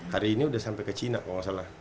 hari ini udah sampe ke cina kalo nggak salah